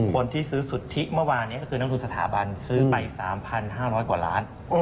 คนที่ซื้อสุทธิเมื่อวานนี้ก็คือนักทุนสถาบันซื้อไป๓๕๐๐กว่าล้าน